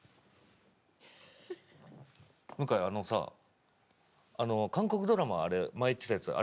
向井あのさあの韓国ドラマ前言ってたやつあれ見た？